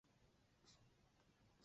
鲁宾逊出生于布拉德福德。